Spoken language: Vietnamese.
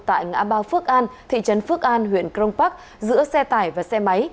tại ngã ba phước an thị trấn phước an huyện crong park giữa xe tải và xe máy